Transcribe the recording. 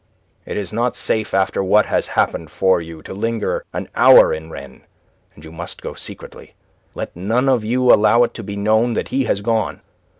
"It is not safe after what has happened for you to linger an hour in Rennes. And you must go secretly. Let none of you allow it to be known that he has gone.